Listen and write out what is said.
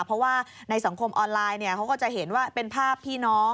เพราะว่าในสังคมออนไลน์เขาก็จะเห็นว่าเป็นภาพพี่น้อง